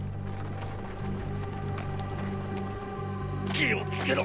気をつけろ！